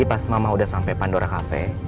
pas mama udah sampai pandora kafe